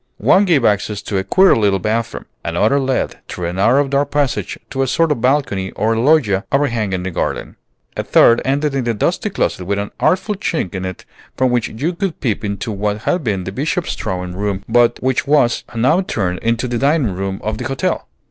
One gave access to a queer little bathroom. Another led, through a narrow dark passage, to a sort of balcony or loggia overhanging the garden. A third ended in a dusty closet with an artful chink in it from which you could peep into what had been the Bishop's drawing room but which was now turned into the dining room of the hotel.